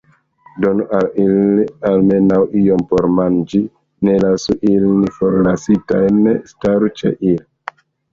Donu al ili almenaŭ iom por manĝi; ne lasu ilin forlasitajn; staru ĉe ili!